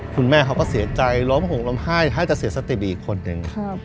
เขาเสียใจล้มห่วงล้มไห้ให้จะเสียสติบอีกคนนึง